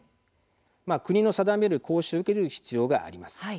国の定める講習を受ける必要があります。